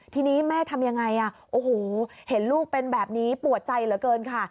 ทีนี้แม่ทำยังไงโอ้โหเห็นลูกเป็นแบบนี้ปวดใจเหลือเกินค่ะ